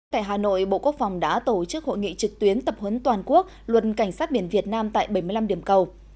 tại hà nội bộ quốc phòng đã tổ chức hội nghị trực tuyến tập huấn toàn quốc luật cảnh sát biển việt nam tại bảy mươi năm điểm cầu